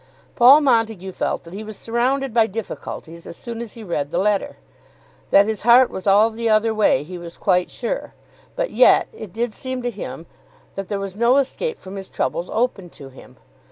Paul Montague felt that he was surrounded by difficulties as soon as he read the letter. That his heart was all the other way he was quite sure; but yet it did seem to him that there was no escape from his troubles open to him.